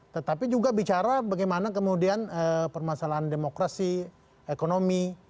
tetapi juga bicara bagaimana kemudian permasalahan demokrasi ekonomi